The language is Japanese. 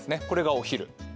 これがお昼。